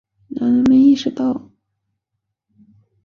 男人们意识到珍妮佛还活着并出手教训了欺骗他们的马修。